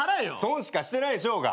損しかしてないでしょうが。